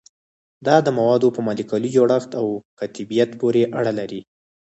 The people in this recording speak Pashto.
دا د موادو په مالیکولي جوړښت او قطبیت پورې اړه لري